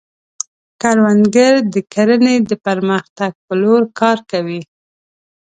کروندګر د کرنې د پرمختګ په لور کار کوي